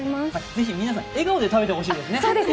ぜひ皆さん、笑顔で食べてほしいですね。